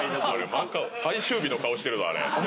マカオ最終日の顔してるぞあれ。